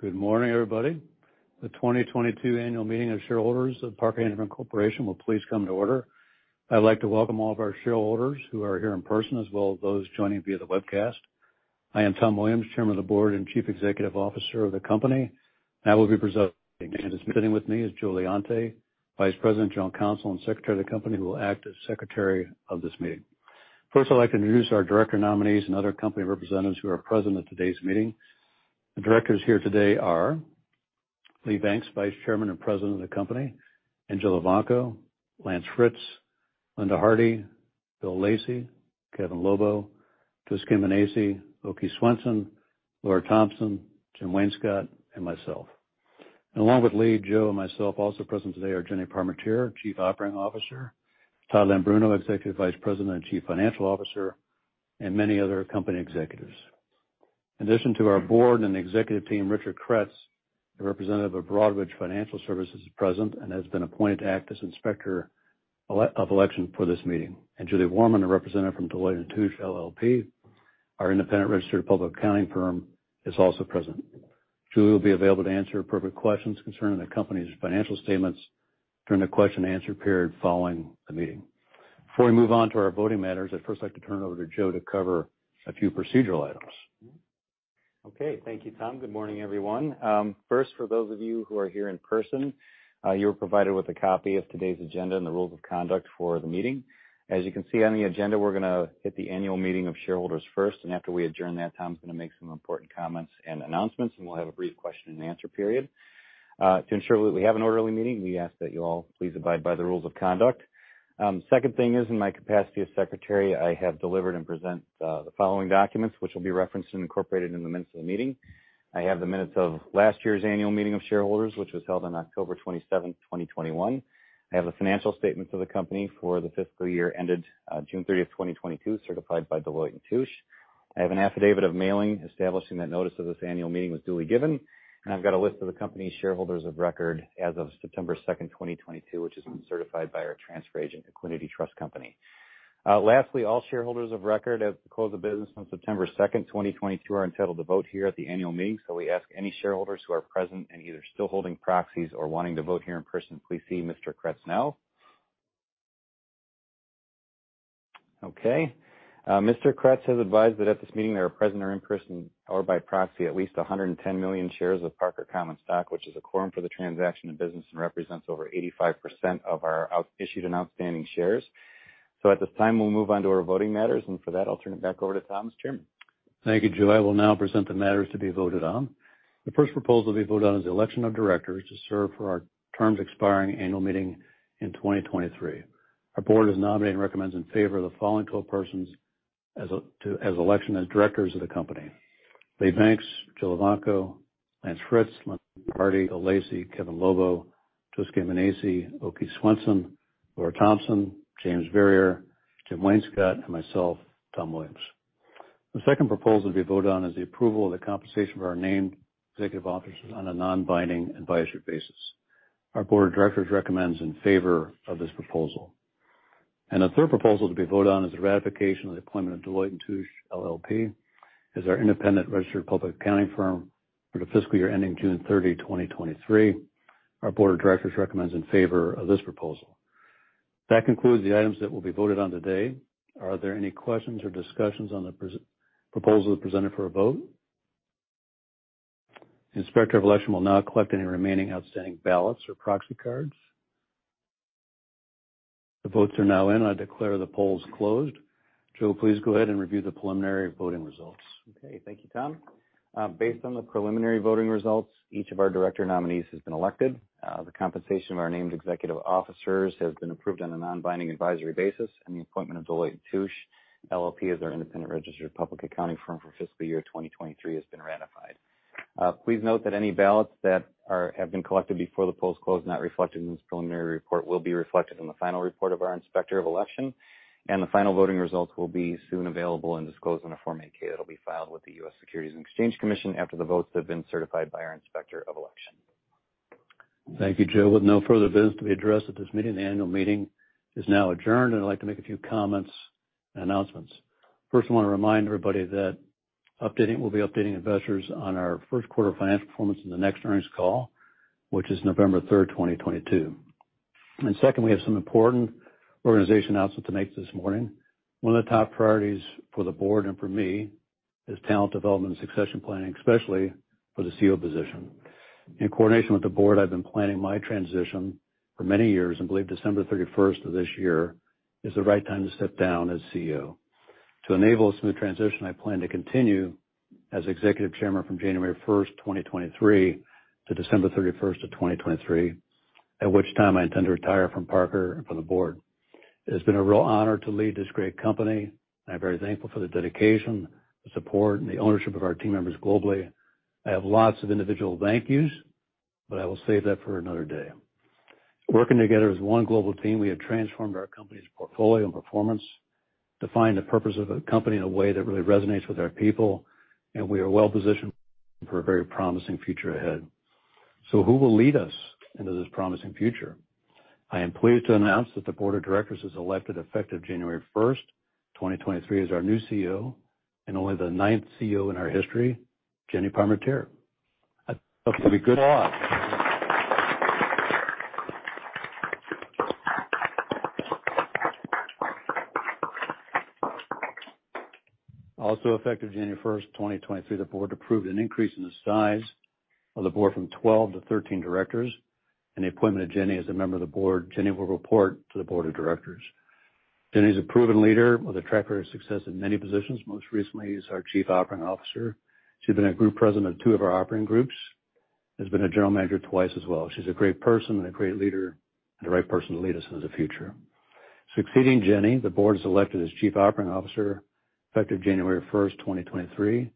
Good morning, everybody. The 2022 annual meeting of shareholders of Parker-Hannifin Corporation will please come to order. I'd like to welcome all of our shareholders who are here in person, as well as those joining via the webcast. I am Tom Williams, Chairman of the Board and Chief Executive Officer of the company, and I will be presenting. Sitting with me is Joe Leonti, Vice President, General Counsel, and Secretary of the company, who will act as Secretary of this meeting. First, I'd like to introduce our director nominees and other company representatives who are present at today's meeting. The directors here today are Lee Banks, Vice Chairman and President of the company, Angela Braly, Lance Fritz, Linda Harty, Bill Lacey, Kevin Lobo, Bryan Menar, Åke Svensson, Laura Thompson, Jim Wainscott, and myself. Along with Lee, Joe, and myself, also present today are Jennifer A. Parmentier, Chief Operating Officer, Todd M. Leombruno, Executive Vice President and Chief Financial Officer, and many other company executives. In addition to our board and executive team, Richard Kretz, a representative of Broadridge Financial Solutions, is present and has been appointed to act as Inspector of Election for this meeting. Julie Warman, a representative from Deloitte & Touche LLP, our independent registered public accounting firm, is also present. Julie will be available to answer appropriate questions concerning the company's financial statements during the question and answer period following the meeting. Before we move on to our voting matters, I'd first like to turn it over to Joe to cover a few procedural items. Okay. Thank you, Tom. Good morning, everyone. First, for those of you who are here in person, you were provided with a copy of today's agenda and the rules of conduct for the meeting. As you can see on the agenda, we're gonna hit the annual meeting of shareholders first, and after we adjourn that, Tom's gonna make some important comments and announcements, and we'll have a brief question and answer period. To ensure that we have an orderly meeting, we ask that you all please abide by the rules of conduct. Second thing is in my capacity as Secretary, I have delivered and present the following documents, which will be referenced and incorporated in the minutes of the meeting. I have the minutes of last year's annual meeting of shareholders, which was held on October seventh, 2021. I have the financial statements of the company for the fiscal year ended June 30, 2022, certified by Deloitte & Touche. I have an affidavit of mailing establishing that notice of this annual meeting was duly given, and I've got a list of the company's shareholders of record as of September 2, 2022, which has been certified by our transfer agent at Equiniti Trust Company. Lastly, all shareholders of record at the close of business on September 2, 2022, are entitled to vote here at the annual meeting. We ask any shareholders who are present and either still holding proxies or wanting to vote here in person, please see Mr. Kretz now. Okay. Mr. Kretz has advised that at this meeting there are present or in person or by proxy at least 110 million shares of Parker common stock, which is a quorum for the transaction of business and represents over 85% of our issued and outstanding shares. At this time, we'll move on to our voting matters, and for that, I'll turn it back over to Tom Williams as Chairman. Thank you, Joe. I will now present the matters to be voted on. The first proposal to be voted on is the election of directors to serve for our terms expiring annual meeting in 2023. Our board has nominated and recommends in favor of the following 12 persons for election as directors of the company, Lee Banks, Joe Leonti, Lance Fritz, Linda Harty, Bill Lacey, Kevin Lobo, Bryan Menar, Åke Svensson, Laura Thompson, James Verrier, Jim Wainscott, and myself, Tom Williams. The second proposal to be voted on is the approval of the compensation of our named executive officers on a non-binding advisory basis. Our board of directors recommends in favor of this proposal. The third proposal to be voted on is the ratification of the appointment of Deloitte & Touche LLP as our independent registered public accounting firm for the fiscal year ending June 30, 2023. Our board of directors recommends in favor of this proposal. That concludes the items that will be voted on today. Are there any questions or discussions on the proposals presented for a vote? Inspector of Election will now collect any remaining outstanding ballots or proxy cards. The votes are now in. I declare the polls closed. Joe, please go ahead and review the preliminary voting results. Okay. Thank you, Thom. Based on the preliminary voting results, each of our director nominees has been elected. The compensation of our named executive officers has been approved on a non-binding advisory basis, and the appointment of Deloitte & Touche LLP as our independent registered public accounting firm for fiscal year 2023 has been ratified. Please note that any ballots that have been collected before the polls closed not reflected in this preliminary report will be reflected in the final report of our Inspector of Election, and the final voting results will be soon available and disclosed in a Form 8-K that'll be filed with the U.S. Securities and Exchange Commission after the votes have been certified by our Inspector of Election. Thank you, Joe. With no further business to be addressed at this meeting, the annual meeting is now adjourned, and I'd like to make a few comments and announcements. First, I wanna remind everybody that we'll be updating investors on our first quarter financial performance in the next earnings call, which is November third, 2022. Second, we have some important organization announcements to make this morning. One of the top priorities for the board and for me is talent development and succession planning, especially for the CEO position. In coordination with the board, I've been planning my transition for many years and believe December thirty-first of this year is the right time to step down as CEO. To enable a smooth transition, I plan to continue as Executive Chairman from January 1, 2023 to December 31, 2023, at which time I intend to retire from Parker and from the Board. It has been a real honor to lead this great company. I'm very thankful for the dedication, the support, and the ownership of our team members globally. I have lots of individual thank yous, but I will save that for another day. Working together as one global team, we have transformed our company's portfolio and performance, defined the purpose of the company in a way that really resonates with our people, and we are well positioned for a very promising future ahead. Who will lead us into this promising future? I am pleased to announce that the board of directors has elected, effective January 1, 2023, as our new CEO and only the ninth CEO in our history, Jennifer A. Parmentier. A good applause. Also effective January 1, 2023, the board approved an increase in the size of the board from 12 to 13 directors, and the appointment of Jennifer A. Parmentier as a member of the board. Jennifer A. Parmentier will report to the board of directors. Jennifer A. Parmentier is a proven leader with a track record of success in many positions. Most recently, as our Chief Operating Officer. She has been a group president of two of our operating groups, has been a general manager twice as well. She is a great person and a great leader, and the right person to lead us into the future. Succeeding Jennifer A. Parmentier, the board has elected as Chief Operating Officer, effective January 1, 2023,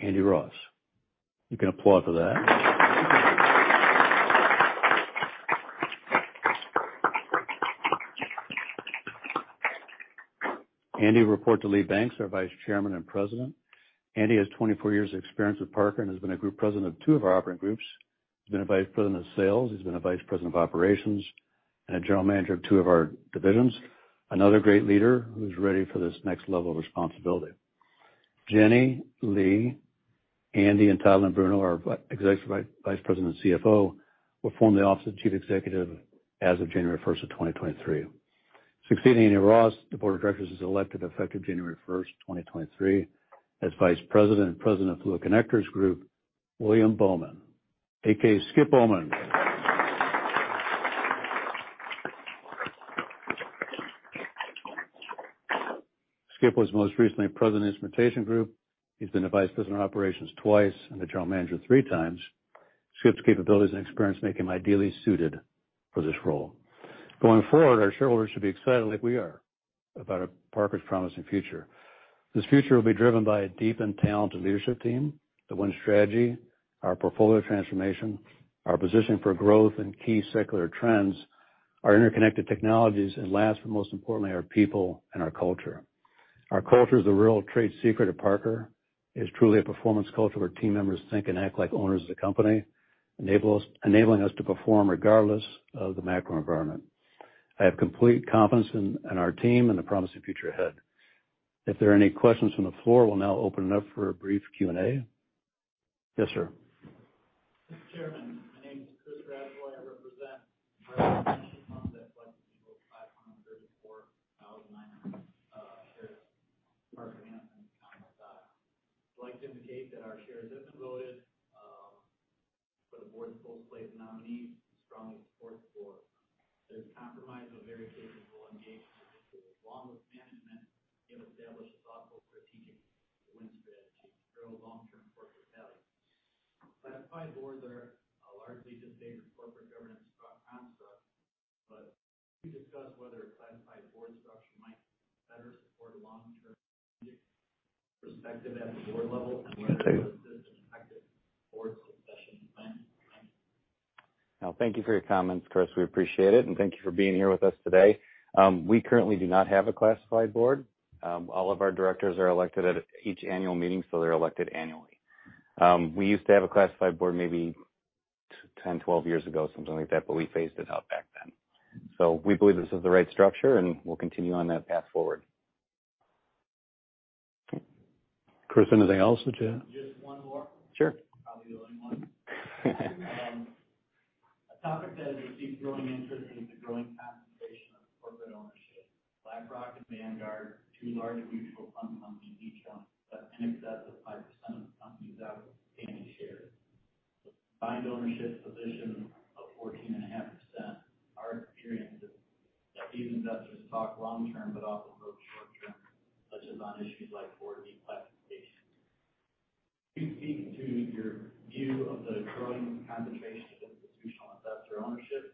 Andrew D. Ross. You can applaud for that. Andy will report to Lee Banks, our Vice Chairman and President. Andy has 24 years of experience with Parker and has been a group president of two of our operating groups. He's been a vice president of sales. He's been a vice president of operations and a general manager of two of our divisions. Another great leader who's ready for this next level of responsibility. Jenny, Lee, Andy, and Todd Leombruno, our Executive Vice President and CFO, will form the office of the chief executive as of January 1, 2023. Succeeding Andy Ross, the Board of Directors has elected, effective January 1, 2023, as vice president and president of Fluid Connectors Group, William Bowman, a.k.a. Skip Bowman. Skip was most recently president of Instrumentation Group. He's been a vice president of operations twice and a general manager three times. Skip's capabilities and experience make him ideally suited for this role. Going forward, our shareholders should be excited like we are about Parker's promising future. This future will be driven by a deep and talented leadership team, the Win Strategy, our portfolio transformation, our positioning for growth in key secular trends, our interconnected technologies, and last but most importantly, our people and our culture. Our culture is the real trade secret at Parker. It's truly a performance culture where team members think and act like owners of the company, enabling us to perform regardless of the macro environment. I have complete confidence in our team and the promising future ahead. If there are any questions from the floor, we'll now open it up for a brief Q&A. Yes, sir. Mr. Chairman, my name is Chris Radway. I represent Radway Management Funds that collectively hold 534,900 shares of Parker-Hannifin common stock. I'd like to indicate that our shares have been voted for the board's full slate of nominees. We strongly support the board. They comprise very capable executives along with management and have established a thoughtful strategic Win Strategy to grow long-term corporate value. Classified boards are a largely outdated corporate governance construct, but could you discuss whether a classified board structure might better support a long-term strategic perspective at the board level and whether or not this has affected the board's succession plan? Thanks. No, thank you for your comments, Chris. We appreciate it, and thank you for being here with us today. We currently do not have a classified board. All of our directors are elected at each annual meeting, so they're elected annually. We used to have a classified board maybe 10, 12 years ago, something like that, but we phased it out back then. We believe this is the right structure, and we'll continue on that path forward. Chris, anything else that you? Just one more. Sure. Probably the only one. A topic that has received growing interest is the growing concentration of corporate ownership. BlackRock and Vanguard, two large mutual fund companies, each own in excess of 5% of the company's outstanding shares. With combined ownership position of 14.5%, our experience is that these investors talk long-term but often vote short-term, such as on issues like board declassification. Could you speak to your view of the growing concentration of institutional investor ownership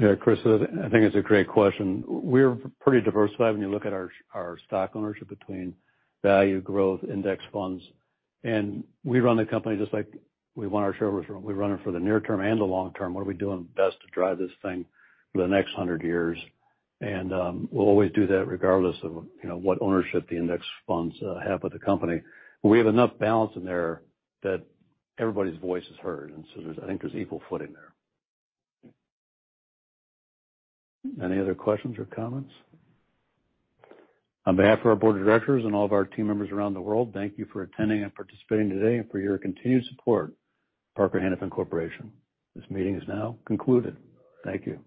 and its impact on corporate governance and industry competitiveness? Specifically, does the increasing concentration of ownership by passive investors aggravate short-termism in the market or alternatively, enable companies to take a long-term view? Yeah. Chris, I think it's a great question. We're pretty diversified when you look at our stock ownership between value, growth, index funds, and we run the company just like we want our shareholders to run. We run it for the near term and the long term. What are we doing best to drive this thing for the next 100 years? We'll always do that regardless of, you know, what ownership the index funds have with the company. But we have enough balance in there that everybody's voice is heard, and so there's, I think there's equal footing there. Any other questions or comments? On behalf of our board of directors and all of our team members around the world, thank you for attending and participating today and for your continued support of Parker-Hannifin Corporation. This meeting is now concluded. Thank you.